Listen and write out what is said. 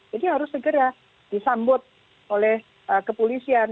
jadi harus segera disambut oleh kepolisian